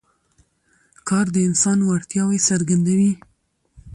کار د انسان وړتیاوې څرګندوي